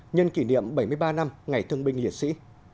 nhân kỷ niệm bảy mươi ba năm ngày thương binh liệt sĩ